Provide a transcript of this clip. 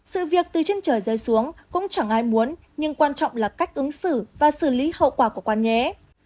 sự việc từ trên trời rơi xuống cũng chẳng ai muốn nhưng quan trọng là cách ứng xử và xử lý hậu quả của quán nhé